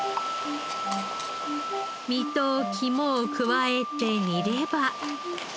身と肝を加えて煮れば。